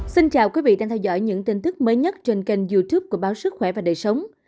xin chào quý vị đang theo dõi những tin tức mới nhất trên kênh youtube của báo sức khỏe và đời sống